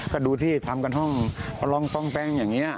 ก็ดูที่ทำกันห้องพอลองป้องแป้งอย่างนี้